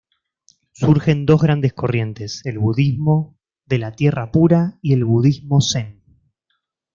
Surgen dos grandes corrientes: el budismo de la Tierra Pura y el budismo Zen.